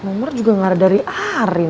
nomor juga gak ada dari hari